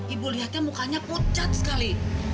ibu lihatnya mukanya pucat sekali